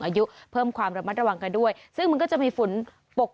อายุเพิ่มความระมัดระวังกันด้วยซึ่งมันก็จะมีฝนปก